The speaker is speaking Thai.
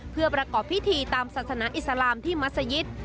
เพื่อประกอบพิธีตามศาสนาอิสลามที่มัศยิต